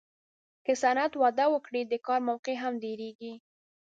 که صنعت وده وکړي، د کار موقعې هم ډېرېږي.